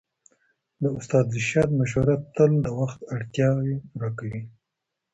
د استاد رشاد مشوره تل د وخت اړتياوې پوره کوي.